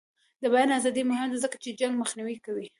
د بیان ازادي مهمه ده ځکه چې جنګ مخنیوی کوي.